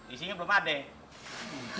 isinya belum ada